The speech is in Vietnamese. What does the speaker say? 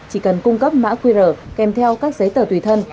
chỉ cần cung cấp mã qr kèm theo các giấy tờ tùy thân